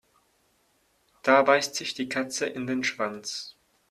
Da beißt sich die Katze in den Schwanz.